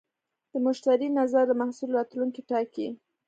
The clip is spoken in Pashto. د مشتری نظر د محصول راتلونکی ټاکي.